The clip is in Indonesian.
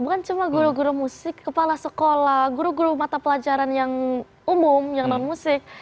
bukan cuma guru guru musik kepala sekolah guru guru mata pelajaran yang umum yang non musik